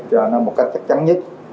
rồi nó một cách chắc chắn nhất